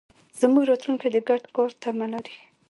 زموږ راتلونکی د ګډ کار تمه لري.